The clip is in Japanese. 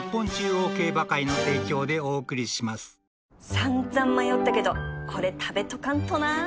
散々迷ったけどこれ食べとかんとな